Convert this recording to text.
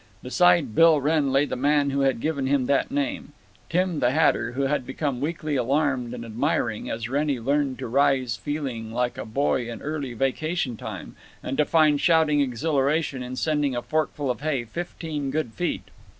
Beside Bill Wrenn lay the man who had given him that name—Tim, the hatter, who had become weakly alarmed and admiring as Wrennie learned to rise feeling like a boy in early vacation time, and to find shouting exhilaration in sending a forkful of hay fifteen good feet.